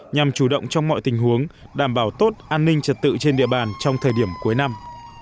nhằm chủ động trong mọi tình huống đảm bảo tốt an ninh trật tự trên địa bàn trong thời điểm cuối năm